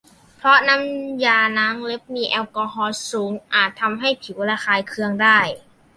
เพราะน้ำยาล้างเล็บมีแอลกอฮอล์สูงอาจทำให้ผิวระคายเคืองได้